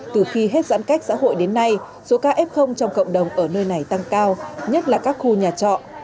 từ khi hết giãn cách xã hội đến nay số ca f trong cộng đồng ở nơi này tăng cao nhất là các khu nhà trọ